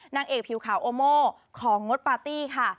นางเอกผิวขาวโอโมของงดปาร์ตี้ค่ะ